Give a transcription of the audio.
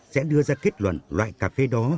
sẽ đưa ra kết luận loại cà phê đó